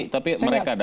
tapi mereka datang